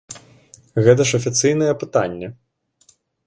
Гэта ж афіцыйнае пытанне.